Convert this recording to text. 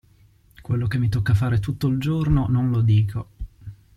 Quello che mi tocca fare tutto il giorno, non lo dico.